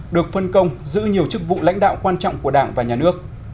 được phân công giữ nhiều chức vụ lãnh đạo quan trọng của đảng và nhà nước